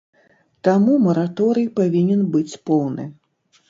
Таму мараторый павінен быць поўны.